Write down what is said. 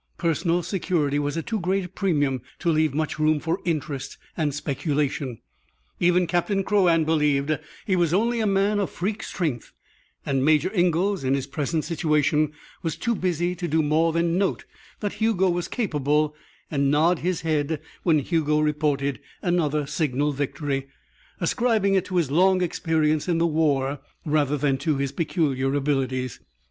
Personal security was at too great a premium to leave much room for interest and speculation. Even Captain Crouan believed he was only a man of freak strength and Major Ingalls in his present situation was too busy to do more than note that Hugo was capable and nod his head when Hugo reported another signal victory, ascribing it to his long experience in the war rather than to his peculiar abilities.